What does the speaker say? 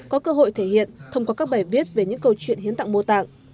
có cơ hội thể hiện thông qua các bài viết về những câu chuyện hiến tặng mô tạng